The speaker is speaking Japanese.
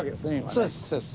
そうです。